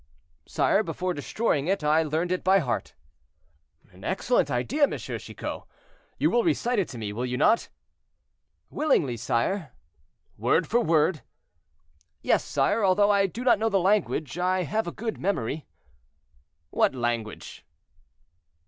"Sire, before destroying it I learned it by heart." "An excellent idea, M. Chicot. You will recite it to me, will you not?" "Willingly, sire." "Word for word." "Yes, sire, although I do not know the language, I have a good memory." "What language?"